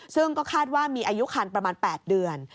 ซึ่งก็คาดว่ามีอายุคันประมาณ๘เดือน